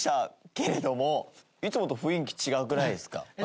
けれどもいつもと雰囲気違くないですか？